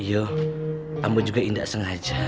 iya ama juga indah sengaja